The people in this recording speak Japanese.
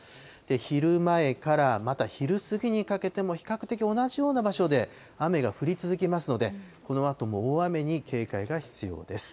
昼前から、また昼過ぎにかけても、比較的同じような場所で雨が降り続きますので、このあとも大雨に警戒が必要です。